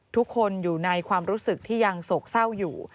ทุกคนอยู่ในความรู้สึกที่ยังโศกเศร้าอยู่